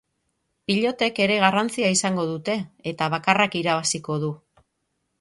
Pilotek ere garrantzia izango dute, eta bakarrak irabaziko du.